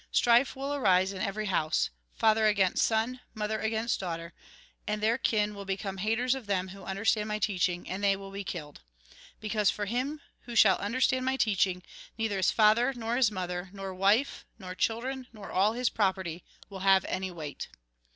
Strife will arise in every house. Father against son, mother against daughter ; and their kin will become haters of them who understand my teaching, and they will be killed. Because, for him who shall understand my teaching, neither his father, nor his mother, nor wife, nor children, nor all his property, will have any weight."